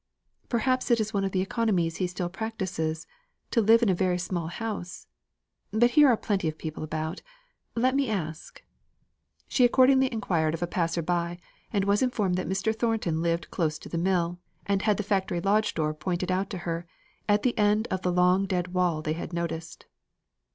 "Perhaps it is one of the economies he still practises, to live in a very small house. But here are plenty of people about; let me ask." She accordingly inquired of a passer by, and was informed that Mr. Thornton lived close to the mill, and had the factory lodge door pointed out to her, at the end of the long dead wall they had noticed.